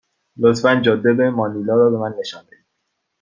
لطفا جاده به مانیلا را به من نشان دهید.